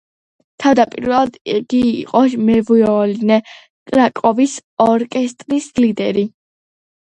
თავდაპირველად, იგი იყო მევიოლინე, კრაკოვის ორკესტრის ლიდერი.